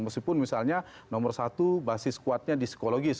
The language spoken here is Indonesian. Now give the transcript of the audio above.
meskipun misalnya nomor satu basis kuatnya di psikologis